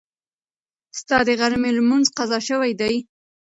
ستا د غرمې لمونځ قضا شوی دی.